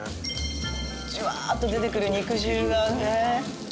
じゅわっと出てくる肉汁がね。